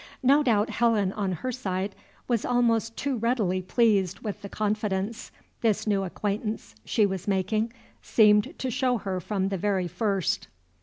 No doubt, Helen, on her side, was almost too readily pleased with the confidence this new acquaintance she was making seemed to show her from the very first.